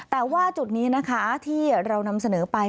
แต่ว่าจุดนี้นะคะที่เรานำเสนอไป